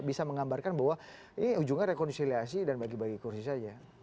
bisa menggambarkan bahwa ini ujungnya rekonsiliasi dan bagi bagi kursi saja